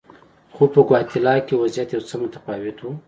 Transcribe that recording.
خو په ګواتیلا کې وضعیت یو څه متفاوت و.